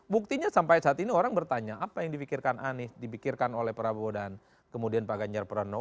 buktinya sampai saat ini orang bertanya apa yang dipikirkan anies dipikirkan oleh prabowo dan kemudian pak ganjar pranowo